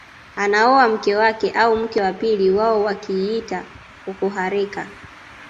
Anaoa mke wake au mke wa pili wao wakiita okohareka